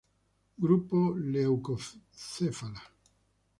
Grupo "leucocephala".